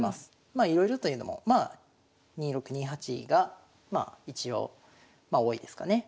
まあいろいろというのもまあ２六２八がまあ一応多いですかね。